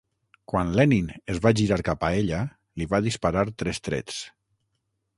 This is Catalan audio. Quan Lenin es va girar cap a ella, li va disparar tres trets.